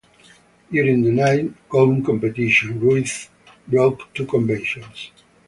During the night gown competition, Ruiz broke two conventions.